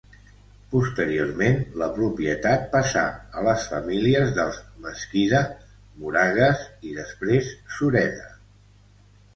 Posteriorment la propietat passà a les famílies dels Mesquida, Moragues i després Sureda.